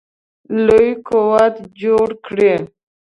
لوی قوت جوړ کړي.